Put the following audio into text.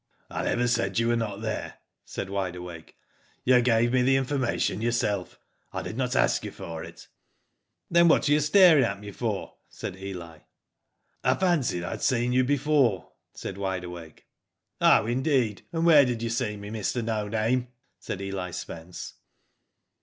" I never said you were not there," said Wide Awake, '*you give me the information yourself. I did not ask you for it." '* Then what are you staring at me for ?" said Eli. " I fancied I had seen you before," said Wide Awake. "Oh indeed, and where did you see me, Mr, no name?" said Eli Spence.